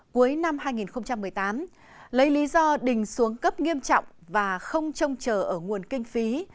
cuối năm hai nghìn một mươi tám lấy lý do đình xuống cấp nghiêm trọng và không trông chờ ở nguồn kinh phí